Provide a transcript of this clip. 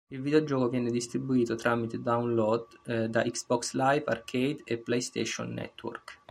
Il videogioco viene distribuito tramite download da Xbox Live Arcade e PlayStation Network.